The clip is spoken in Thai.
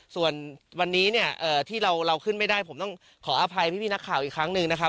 ส่วนวันนี้เนี่ยที่เราขึ้นไม่ได้ผมต้องขออภัยพี่นักข่าวอีกครั้งหนึ่งนะครับ